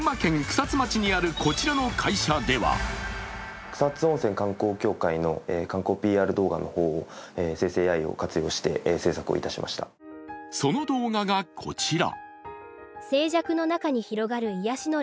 草津町にあるこちらの会社ではその動画がこちら。